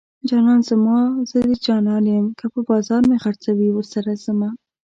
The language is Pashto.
جانان زما زه د جانان يم که په بازار مې خرڅوي ورسره ځمه